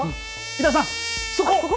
井田さん、そこ。